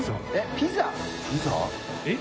ピザ？えっ？